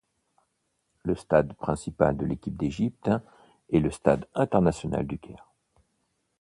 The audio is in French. Le stade principal de l'équipe d'Égypte est le Stade international du Caire.